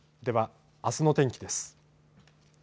では、あすの天気です。